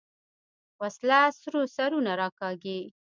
وسله سرونه راکاږي